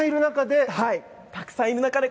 たくさんいる中で？